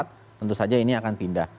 tentu saja ini akan pindah